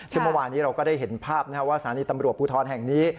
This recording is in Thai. ซึ่งเมื่อวานี้เราก็ได้เห็นภาพว่าสถานีตำรวจภูทรแห่งนี้